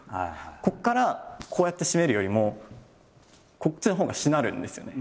ここからこうやって締めるよりもこっちのほうがしなるんですよね。